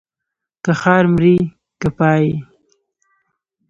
که ښار مرې که پايي.